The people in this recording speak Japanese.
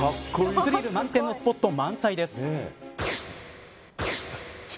スリル満点のスポット満載です。